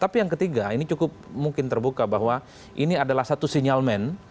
tapi yang ketiga ini cukup mungkin terbuka bahwa ini adalah satu sinyal men